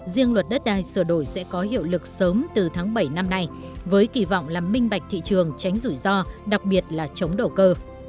riêng luật đất đai sửa đổi sẽ có hiệu lực sớm từ tháng bảy năm nay với kỳ vọng làm minh bạch thị trường tránh rủi ro đặc biệt là chống đầu cơ